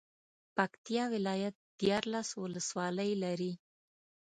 پکتيا ولايت ديارلس ولسوالۍ لري.